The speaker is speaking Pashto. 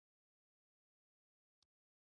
ژوند لیکونه معمولاً هغه طبقه خلک لیکي.